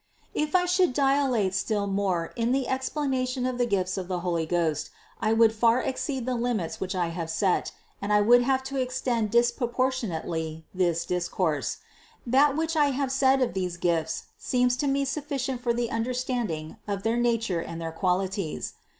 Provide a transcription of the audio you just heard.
611. If I should dilate still more in the explanation of the gifts of the Holy Ghost, I would far exceed the limits which I have set, and I would have to extend dispropor 472 CITY OF GOD tionately this discourse: that which I have said of these gifts seems to me sufficient for the understanding of their nature and their qualities.